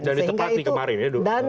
dan ditepati kemarin ya